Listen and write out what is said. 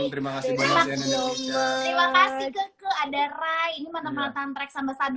terima kasih banyak banyak